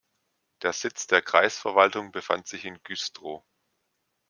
Der Sitz der Kreisverwaltung befand sich in Güstrow.